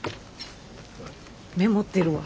メモってるわ。